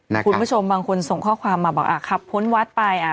คุณผู้ชมบางคนส่งข้อความมาบอกอ่าขับพ้นวัดไปอ่ะ